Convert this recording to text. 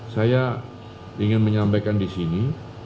saya ingin menyampaikan disini